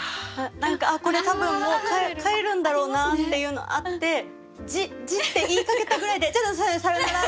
何かああこれ多分もう帰るんだろうなっていうのあって「じじ」って言いかけたぐらいで「じゃじゃあさよなら」